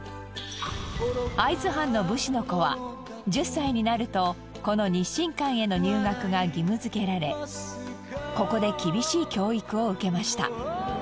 会津藩の武士の子は１０歳になるとこの日新館への入学が義務づけられここで厳しい教育を受けました。